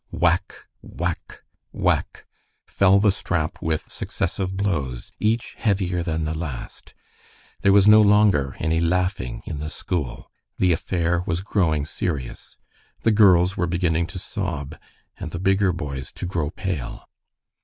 Whack! whack! whack! fell the strap with successive blows, each heavier than the last. There was no longer any laughing in the school. The affair was growing serious. The girls were beginning to sob, and the bigger boys to grow pale.